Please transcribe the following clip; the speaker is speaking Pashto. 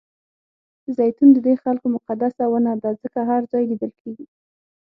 زیتون ددې خلکو مقدسه ونه ده ځکه هر ځای لیدل کېږي.